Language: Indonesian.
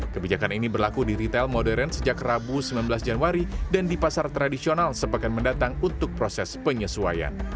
kebijakan ini berlaku di retail modern sejak rabu sembilan belas januari dan di pasar tradisional sepekan mendatang untuk proses penyesuaian